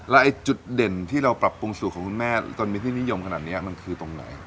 แล้วไอ้จุดเด่นที่เราปรับปรุงสูตรของคุณแม่จนมีที่นิยมขนาดนี้มันคือตรงไหน